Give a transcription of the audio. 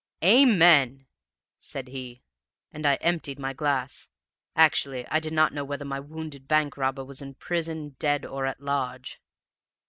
"'Amen!' said he. "And I emptied my glass; actually I did not know whether my wounded bank robber was in prison, dead, or at large!